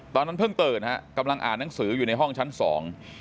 ตอนนั้นเพิ่งตื่นฮะกำลังอ่านหนังสืออยู่ในห้องชั้นสอง